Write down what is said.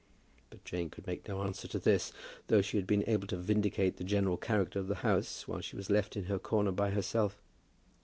But Jane could make no answer to this, though she had been able to vindicate the general character of the house while she was left in her corner by herself.